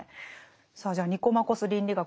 さあじゃあ「ニコマコス倫理学」